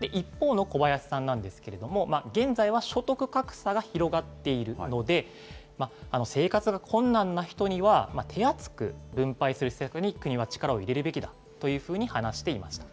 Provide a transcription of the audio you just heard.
一方の小林さんなんですけれども、現在は所得格差が広がっているので、生活が困難な人には手厚く分配する施策に国は力を入れるべきだというふうに話していました。